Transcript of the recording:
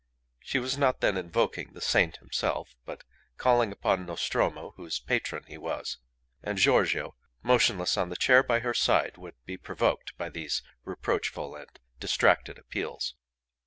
She was not then invoking the saint himself, but calling upon Nostromo, whose patron he was. And Giorgio, motionless on the chair by her side, would be provoked by these reproachful and distracted appeals.